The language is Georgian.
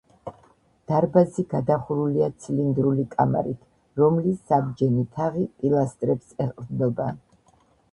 დარბაზი გადახურულია ცილინდრული კამარით, რომლის საბჯენი თაღი პილასტრებს ეყრდნობა.